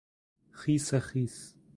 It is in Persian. خیسخیس